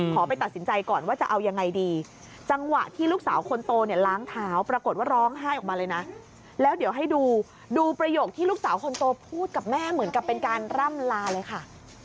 ไปตัดสินใจก่อนว่าจะเอายังไงดีจังหวะที่ลูกสาวคนโตเนี่ยล้างเท้าปรากฏว่าร้องไห้ออกมาเลยนะแล้วเดี๋ยวให้ดูดูประโยคที่ลูกสาวคนโตพูดกับแม่เหมือนกับเป็นการร่ำลาเลยค่ะ